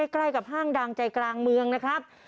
ใกล้กับห้างดังใจกลางเมืองนะครับ